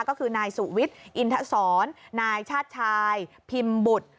ก็คือนายสุวิทย์อินทศรนายชาติชายพิมพ์บุตร